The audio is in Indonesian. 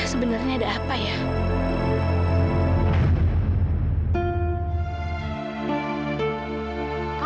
sebenarnya ada apa ya